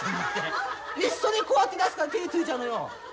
一緒にこうやって出すから手ついちゃうのよ。